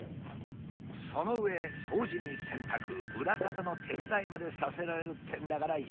その上掃除に洗濯裏方の手伝いまでさせられるってんだから容赦がねえ。